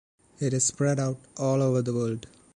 It is spread out all over the world.